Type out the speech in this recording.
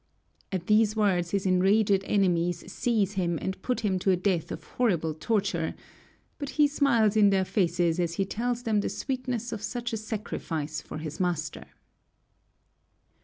At these words his enraged enemies seize him and put him to a death of horrible torture, but he smiles in their faces as he tells them the sweetness of such a sacrifice for his master.